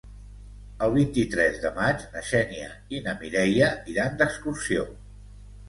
El vint-i-tres de maig na Xènia i na Mireia iran d'excursió.